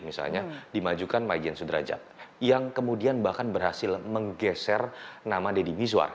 misalnya dimajukan my gen sudraja yang kemudian bahkan berhasil menggeser nama deddy mizzwar